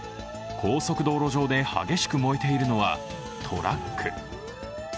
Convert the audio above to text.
高速道路上で激しく燃えているのは、トラック。